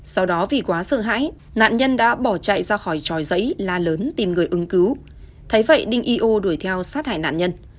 sau đó vì quá sợ hãi nạn nhân đã bỏ chạy ra khỏi tròi giấy la lớn tìm người ứng cứu thấy vậy đinh io đuổi theo sát hải nạn nhân